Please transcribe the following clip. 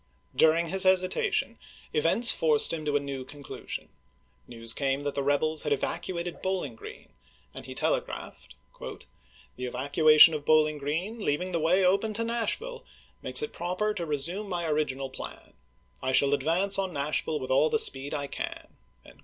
During his hesitation, events forced him to a new conclusion. News came that the rebels had evacuated Bowling Green, and he telegraphed: " The evacuation of Bowling Grreen, leaving the way open to Nashville, makes it proper to resume my original plan. I shall advance on Nashville with all the speed I can."